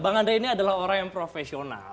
bang andre ini adalah orang yang profesional